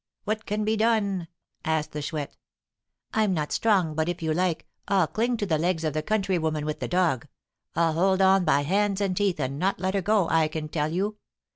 What can be done?" asked the Chouette. "I'm not strong, but, if you like, I'll cling to the legs of the country woman with the dog. I'll hold on by hands and teeth, and not let her go, I can tell you.